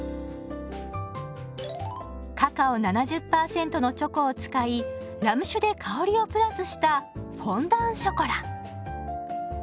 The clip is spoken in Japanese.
カカオ７０％のチョコを使いラム酒で香りをプラスしたフォンダンショコラ。